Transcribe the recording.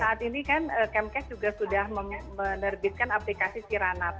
saat ini kan kemkes juga sudah menerbitkan aplikasi siranap